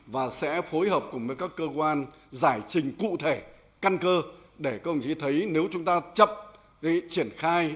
và sẽ phối hợp cùng với các cơ quan giải trình cụ thể căn cơ để công chí thấy nếu chúng ta chấp đi triển khai